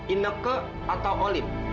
ineke atau olin